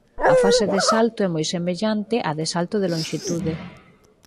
A fase de salto é moi semellante á de salto de lonxitude.